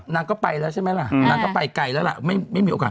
นางก็ไปแล้วใช่ไหมล่ะนางก็ไปไกลแล้วล่ะไม่มีโอกาส